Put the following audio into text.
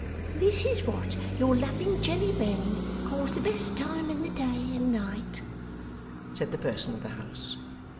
'This is what your loving Jenny Wren calls the best time in the day and night,' said the person of the house.